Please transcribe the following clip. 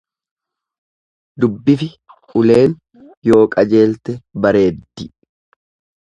Dubbifi uleen yoo qajeelte bareeddi.